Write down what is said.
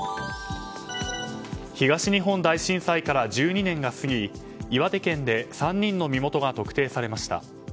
東日本大震災から１２年が過ぎ岩手県で３人の身元が特定されました。